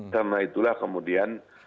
karena itulah kemudian